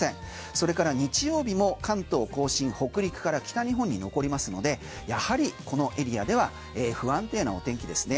それから日曜日も関東・甲信北陸から北日本に残りますのでやはり、このエリアでは不安定なお天気ですね。